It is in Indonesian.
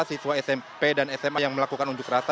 siswa smp dan sma yang melakukan unjuk rasa